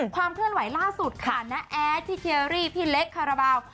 ความเคลื่อนไหวล่าสุดค่ะน้าแอดพี่เทียรี่พี่เล็กคาราบาล